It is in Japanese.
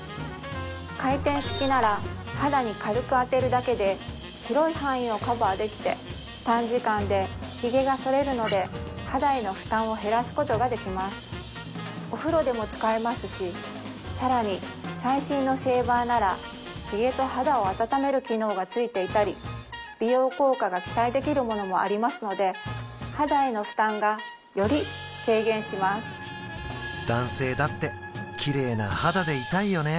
回転式なら肌に軽く当てるだけで広い範囲をカバーできて短時間でひげがそれるので肌への負担を減らすことができますお風呂でも使えますし更に最新のシェーバーならひげと肌を温める機能が付いていたり美容効果が期待できるものもありますので肌への負担がより軽減します男性だってきれいな肌でいたいよね